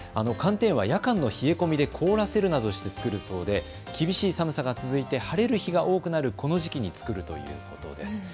寒天は夜間の冷え込みで凍らせるなどして作るそうで、厳しい寒さが続いて晴れる日が多くなるこの時期に作るということです。